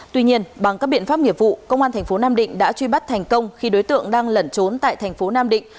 tuy nhiên bằng các biện pháp nghiệp vụ công an thành phố nam định đã truy bắt thành công khi đối tượng đang lẩn trốn tại thành phố nam định